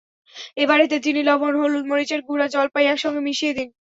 এবার এতে চিনি, লবণ, হলুদ মরিচের গুঁড়া, জলপাই একসঙ্গে মিশিয়ে দিন।